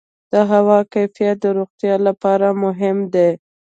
د هوا کیفیت د روغتیا لپاره مهم دی.